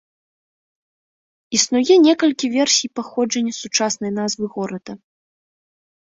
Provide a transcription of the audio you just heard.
Існуе некалькі версій паходжання сучаснай назвы горада.